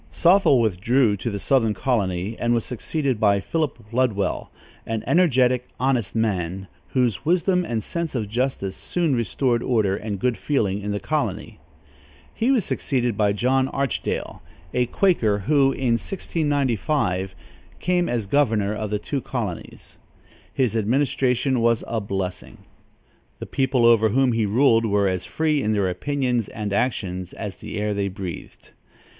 Sothel withdrew to the southern colony, and was succeeded by Philip Ludwell, an energetic, honest man, whose wisdom and sense of justice soon restored order and good feeling in the colony. He was succeeded by John Archdale, a Quaker, who, in 1695, came as governor of the two colonies. His administration was a blessing. The people over whom he ruled were as free in their opinions and actions as the air they breathed.